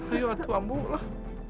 ayo atuh amu lah